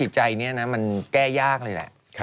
ใช่นี่ประมาณ